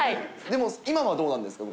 でも、今はどうなんですか？